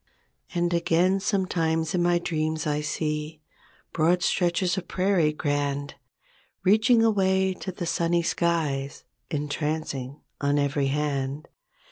And again sometimes in my dreams I see Broad stretches of prairie grand. Reaching away to the sunny skies; Entrancing on every hand.